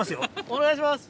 お願いします。